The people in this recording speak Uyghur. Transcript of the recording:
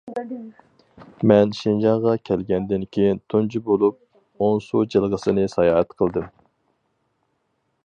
مەن شىنجاڭغا كەلگەندىن كېيىن تۇنجى بولۇپ ئونسۇ جىلغىسىنى ساياھەت قىلدىم.